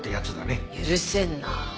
許せんなあ。